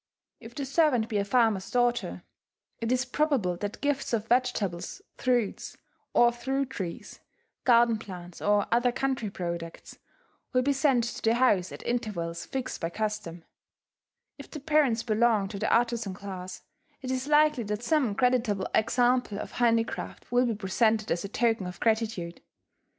If the servant be a farmer's daughter, it is probable that gifts of vegetables, fruits, or fruit trees, garden plants or other country products, will be sent to the house at intervals fixed by custom; if the parents belong to the artizan class, it is likely that some creditable example of handicraft will be presented as a token of gratitude.